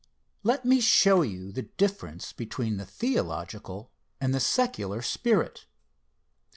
'Let me show you the difference between the theological and the secular spirit.